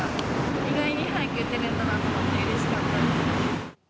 意外に早く打てるんだなと思って、うれしかったです。